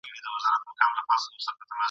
خپل نصیب وي غلامۍ لره روزلي ..